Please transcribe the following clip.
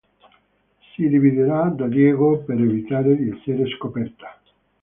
Si dividerà da Diego per evitare di essere scoperta.